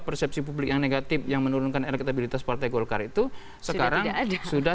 persepsi publik yang negatif yang menurunkan elektabilitas partai golkar itu sekarang sudah